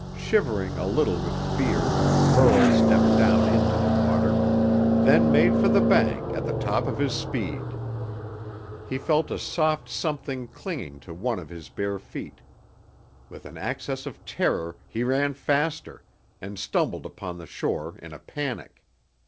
Shivering a little with fear, Burl stepped down into the water, then made for the bank at the top of his speed. He felt a soft something clinging to one of his bare feet. With an access of terror, he ran faster, and stumbled upon the shore in a panic.